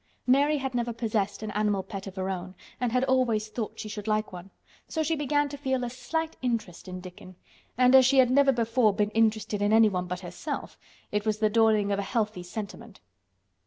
Mary had never possessed an animal pet of her own and had always thought she should like one. So she began to feel a slight interest in Dickon, and as she had never before been interested in anyone but herself, it was the dawning of a healthy sentiment.